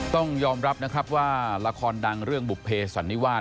ต้องยอมรับนะครับว่าละครดังเรื่องบุภเพสันนิวาส